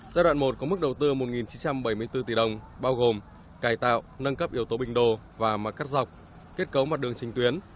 giai đoạn một có mức đầu tư một chín trăm bảy mươi bốn tỷ đồng bao gồm cải tạo nâng cấp yếu tố bình đồ và mặt cắt dọc kết cấu mặt đường trình tuyến